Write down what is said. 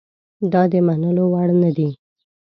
دا د منلو وړ نه دي.